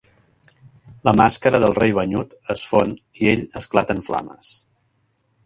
La màscara del Rei Banyut es fon i ell esclata en flames.